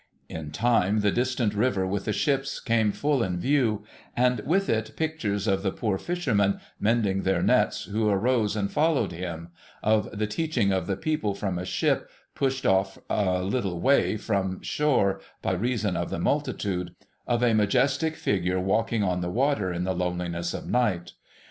In time, the distant river with the ships came full in view, and with it pictures of the poor fishermen, mending their nets, who arose and followed him, — of the teaching of the people from a ship pushed off a little way from shore, by reason of the multitude, — of a majestic figure walking on 84 THE SEVEN POOR TRAVELLERS tlie water, in the loneliness of night.